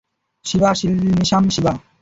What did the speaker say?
শিবা, সিলমিশাম শিবা।